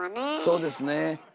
そうですねえ。